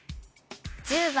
１０番。